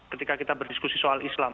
ketika kita berdiskusi soal islam